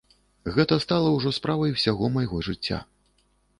Гэта стала ўжо справай усяго майго жыцця.